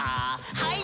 はい。